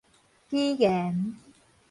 語言